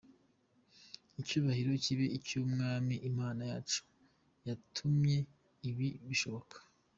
Icyubahiro kibe icy’umwami Imana yacu watumye ibi bishoboka.